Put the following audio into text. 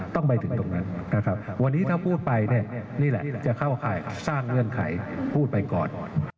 ต้องไปถึงตรงนั้นนะครับวันนี้ถ้าพูดไปเนี่ยนี่แหละจะเข้าข่ายสร้างเงื่อนไขพูดไปก่อน